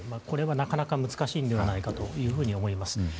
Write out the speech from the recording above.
これはなかなか難しいのではないかと思います。